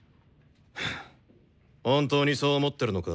はぁ本当にそう思ってるのか？